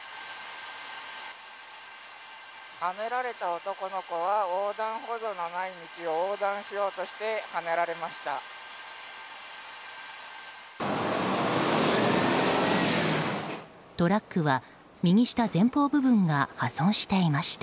はねられた男の子は横断歩道のない道を横断しようとしてはねられました。